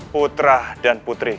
putra dan putriku